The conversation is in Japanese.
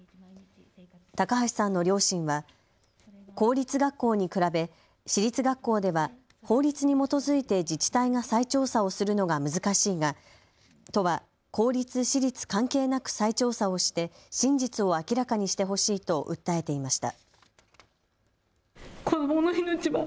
高橋さんの両親は公立学校に比べ私立学校では法律に基づいて自治体が再調査をするのが難しいが都は公立・私立関係なく再調査をして真実を明らかにしてほしいと訴えていました。